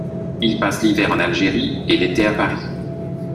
Ils passent l'hiver en Algérie et l'été à Paris.